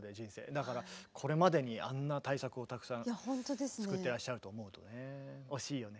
だからこれまでにあんな大作をたくさん作ってらっしゃると思うとね惜しいよね。